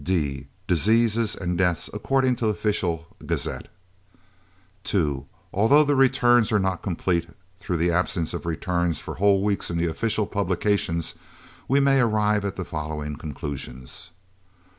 (d) Diseases and deaths according to Official Gazette. II. Although the returns are not complete through absence of returns for whole weeks in the official publications, we may arrive at the following conclusions: 1.